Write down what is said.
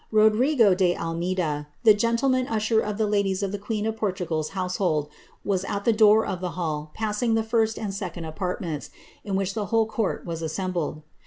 Rodrigo de Almeida, tiw gentleman usher of the ladies of the queen of PortugaPs household, vti at the door of the hall passing the first and second apartments, ia which the whole court were assembled.